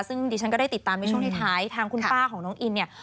ซึ่งดิฉันก็ได้ติดตามในช่วงท้ายทางคุณป้าของน้องอินเนี่ย